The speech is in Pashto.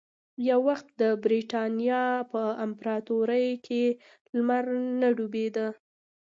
یو وخت د برېتانیا په امپراتورۍ کې لمر نه ډوبېده.